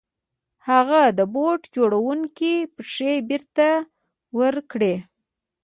هغه د بوټ جوړوونکي پيسې بېرته ورکړې.